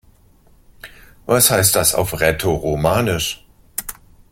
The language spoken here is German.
Was heißt das auf Rätoromanisch?